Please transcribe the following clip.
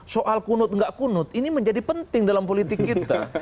soal kunut nggak kunut ini menjadi penting dalam politik kita